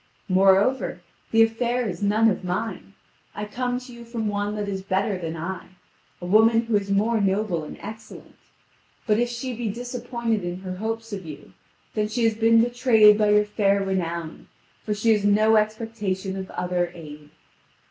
Moreover, the affair is none of mine: I come to you from one that is better than I, a woman who is more noble and excellent. But if she be disappointed in her hopes of you, then she has been betrayed by your fair renown, for she has no expectation of other aid.